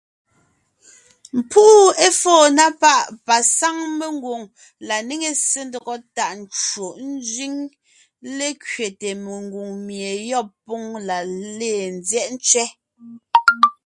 Púʼu éfóo na páʼ pasáʼ mengwòŋ la néŋe ssé ńdɔgɔ tàʼ ncwò ńzẅíŋe lékẅéte mengwòŋ mie ayɔ́b póŋ léen ńzyɛ́ʼ ntsẅɛ́.